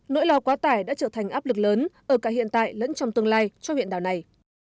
nỗi lo quá tải đã trở thành áp lực lớn ở cả hiện tại lẫn trong tương lai cho huyện đảo này